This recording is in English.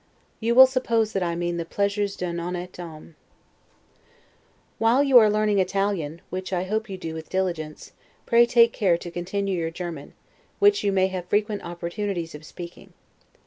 You will suppose that I mean the pleasures 'd'un honnete homme'. While you are learning Italian, which I hope you do with diligence, pray take care to continue your German, which you may have frequent opportunities of speaking.